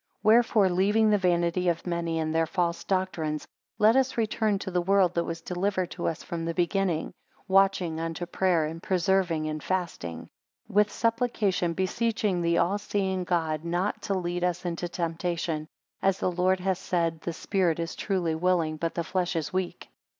3 Wherefore leaving the vanity of many, and their false doctrines; let us return to the word that was delivered to us from the beginning: Watching unto prayer; and persevering in fasting; 4 With supplication beseeching the all seeing God not to lead us into temptation; as the Lord hath said, The spirit is truly willing, but the flesh is weak.